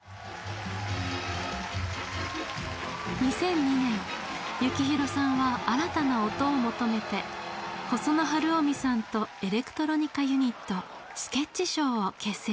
２００２年幸宏さんは新たな音を求めて細野晴臣さんとエレクトロニカ・ユニットｓｋｅｔｃｈｓｈｏｗを結成しました。